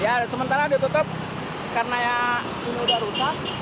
ya sementara ditutup karena ya ini udah rusak